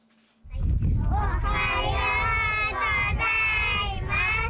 おはようございます。